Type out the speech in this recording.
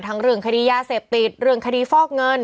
เรื่องคดียาเสพติดเรื่องคดีฟอกเงิน